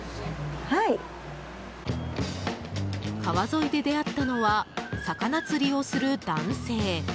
川沿いで出会ったのは魚釣りをする男性。